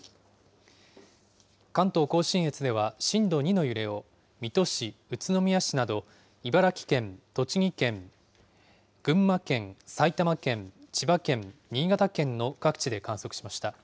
関東甲信越では震度２の揺れを水戸市、宇都宮市など、茨城県、栃木県、群馬県、埼玉県、千葉県、新潟県の各地で観測しました。